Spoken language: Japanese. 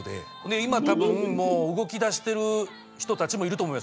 今多分もう動きだしてる人たちもいると思いますよ。